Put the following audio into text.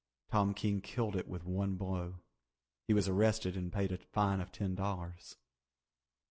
Tom King killed it with one blow. He was arrested and paid a fine of ten dollars.